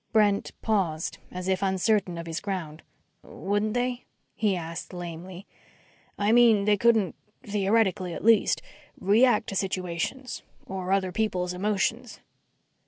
Brent paused as if uncertain of his ground. "Wouldn't they?" he asked lamely. "I mean, they couldn't theoretically, at least react to situations ... or other people's emotions."